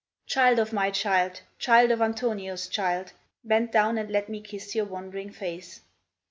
Child of my child, child of Antonio's child, Bend down and let me kiss your wondering face.